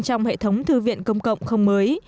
trong hệ thống thư viện công cộng không mới